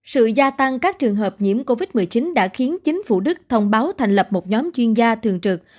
sự gia tăng các trường hợp nhiễm covid một mươi chín đã khiến chính phủ đức thông báo thành lập một nhóm chuyên gia thường trực